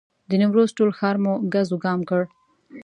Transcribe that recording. د نیمروز ټول ښار مو ګز وګام کړ.